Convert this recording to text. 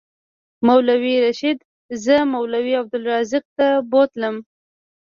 مولوي رشید زه مولوي عبدالرزاق ته بوتلم.